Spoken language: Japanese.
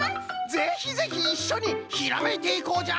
ぜひぜひいっしょにひらめいていこうじゃ。